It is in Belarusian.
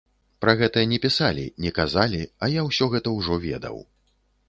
Пра гэта не пісалі, не казалі, а я ўсё гэта ўжо ведаў.